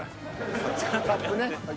サップね。